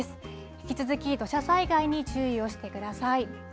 引き続き土砂災害に注意をしてください。